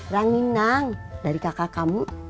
ranginang dari kakak kamu